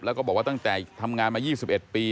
แล้วก็บอกว่าตั้งแต่ทำงานมา๒๑ปี